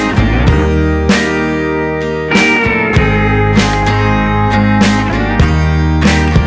terima kasih banyak om tante